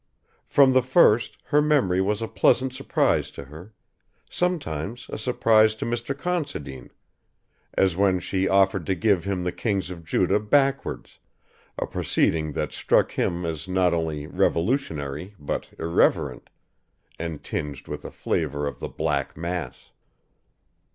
From the first her memory was a pleasant surprise to her sometimes a surprise to Mr. Considine, as when she offered to give him the Kings of Judah backwards, a proceeding that struck him as not only revolutionary but irreverent, and tinged with a flavour of the Black Mass.